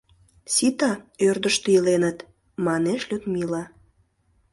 Сита ӧрдыжтӧ иленыт, — манеш Людмила.